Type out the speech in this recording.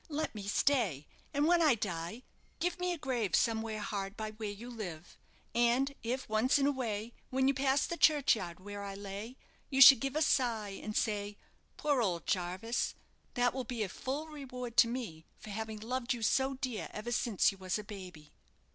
Let me stay, and when I die give me a grave somewhere hard by where you live; and if, once in a way, when you pass the churchyard where I lay, you should give a sigh, and say, 'Poor old Jarvis!' that will be a full reward to me for having loved you so dear ever since you was a baby."